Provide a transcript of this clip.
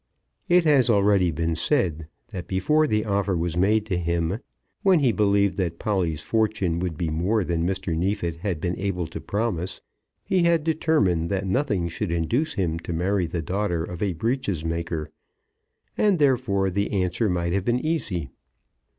It has already been said that before the offer was made to him, when he believed that Polly's fortune would be more than Mr. Neefit had been able to promise, he had determined that nothing should induce him to marry the daughter of a breeches maker; and therefore the answer might have been easy.